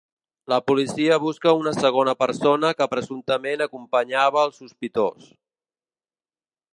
La policia busca una segona persona que presumptament acompanyava el sospitós.